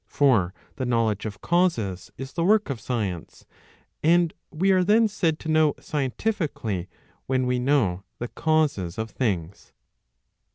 For the knowledge of causes is the work of science, and we are then said to know scientifically, when we know the causes of things.